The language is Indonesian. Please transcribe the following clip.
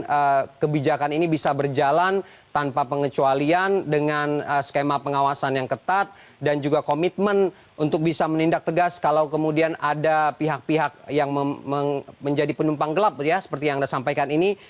kemudian kebijakan ini bisa berjalan tanpa pengecualian dengan skema pengawasan yang ketat dan juga komitmen untuk bisa menindak tegas kalau kemudian ada pihak pihak yang menjadi penumpang gelap ya seperti yang anda sampaikan ini